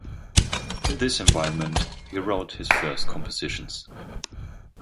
In this environment he wrote his first compositions.